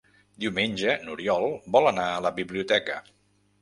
Diumenge n'Oriol vol anar a la biblioteca.